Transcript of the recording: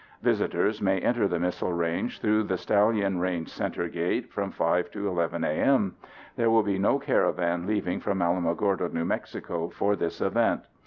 Visitors may enter the missile range through the Stallion Range Center gate from 5 to 11 a.m. There will be no caravan leaving from Alamogordo, N.M., for this event.